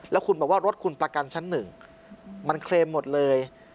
แล้วคุณบอกว่ารถคุณประกันชั้นหนึ่งมันเคลมหมดเลย